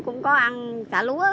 cũng có ăn cả lúa